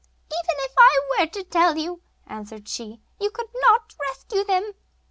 'Even if I were to tell you,' answered she, 'you could not rescue them.